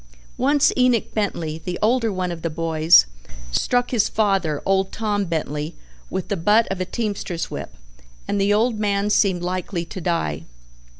Once Enoch Bentley, the older one of the boys, struck his father, old Tom Bentley, with the butt of a teamster's whip, and the old man seemed likely to die.